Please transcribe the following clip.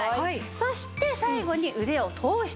そして最後に腕を通してください。